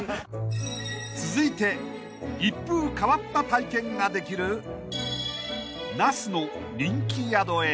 ［続いて一風変わった体験ができる那須の人気宿へ］